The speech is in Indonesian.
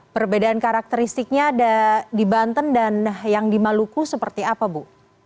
perbedaan karakteristiknya ada di banten dan yang di maluku seperti apa bu